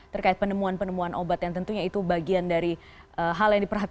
terkait penemuan penemuan obat yang tentunya itu bagian dari hal yang diperhatikan